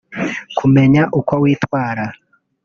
Kumenya uko witwara